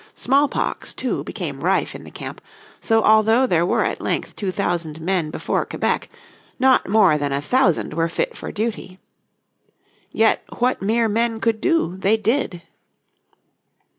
Smallpox, too, became rife in the camp, so although there at length two thousand men before Quebec not more that a thousand were fit for duty. Yet what mere men could do they did.